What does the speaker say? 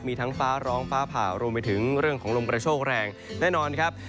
มีทั้งฟ้าร้องฟ้าผ่ารวมไปถึงเรื่องของลมกระโชคแรงแน่นอนครับ